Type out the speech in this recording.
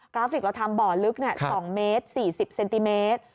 ราฟิกเราทำบ่อลึก๒เมตร๔๐เซนติเมตร